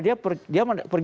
dia pergi ke al aqsa